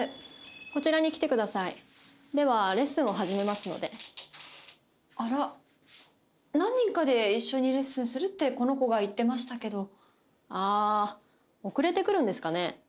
こちらに来てくださいではレッスンを始めますのであら何人かで一緒にレッスンするってこの子が言ってましたけどああ遅れてくるんですかね